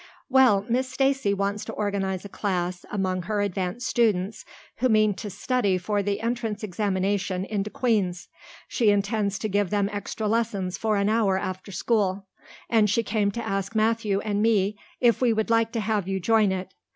"Well, Miss Stacy wants to organize a class among her advanced students who mean to study for the entrance examination into Queen's. She intends to give them extra lessons for an hour after school. And she came to ask Matthew and me if we would like to have you join it.